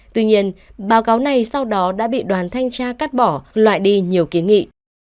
tuy nhiên báo cáo này sau đó đã bị đoàn thanh tra cắt bỏ loại đi nhiều kiến nghị